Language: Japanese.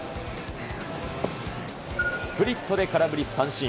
スプリットで空振り三振。